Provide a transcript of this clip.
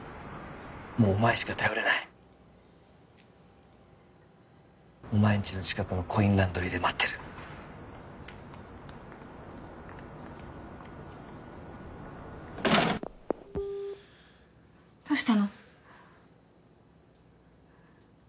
もうお前しか頼れないお前んちの近くのコインランドリーで待ってるどうしたの？